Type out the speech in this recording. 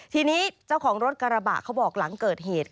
ทีนี้เจ้าของรถกระบะเขาบอกหลังเกิดเหตุ